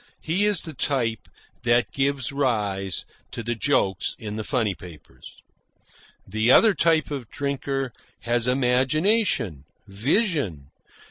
He is the type that gives rise to the jokes in the funny papers. The other type of drinker has imagination, vision.